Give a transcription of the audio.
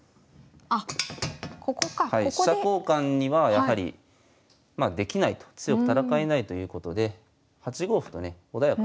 はい飛車交換にはやはりまあできないと強く戦えないということで８五歩とね穏やかに受けておきます。